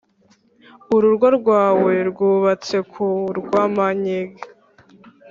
urugo rwawe rwubatse ku rwama-nyege